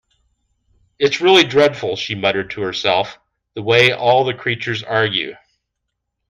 ‘It’s really dreadful,’ she muttered to herself, ‘the way all the creatures argue’.